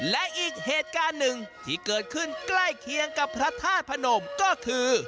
และอีกเหตุการณ์หนึ่งที่เกิดขึ้นใกล้เคียงกับพระธาตุพนมก็คือ